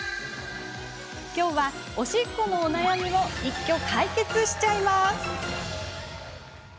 きょうは、おしっこのお悩みを一挙解決しちゃいます。